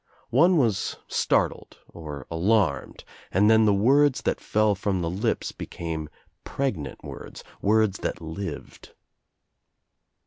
One was startled or alarmed and then the words that fell from the lips became pregnant words, words that lived.